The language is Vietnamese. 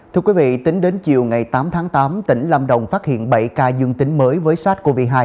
thưa quý vị tính đến chiều ngày tám tháng tám tỉnh lâm đồng phát hiện bảy ca dương tính mới với sars cov hai